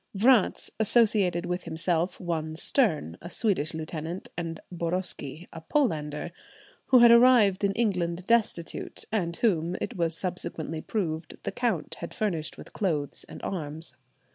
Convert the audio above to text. Vratz associated with himself one Stern, a Swedish lieutenant, and Boroski, "a Polander," who had arrived in England destitute, and whom, it was subsequently proved, the count had furnished with clothes and arms.